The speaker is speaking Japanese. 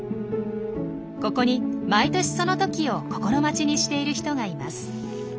ここに毎年その時を心待ちにしている人がいます。